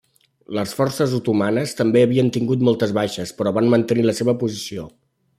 Les forces otomanes també havien tingut moltes baixes però van mantenir la seva posició.